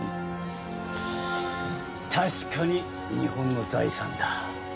確かに日本の財産だ。